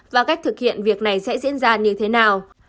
và cách thực hiện việc này sẽ diễn ra như thế nào